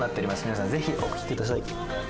皆さんぜひお聴きください。